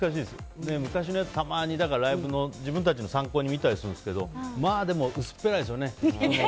昔のやつ、たまに自分たちのライブ参考に見たりするんですけど薄っぺらいですよね。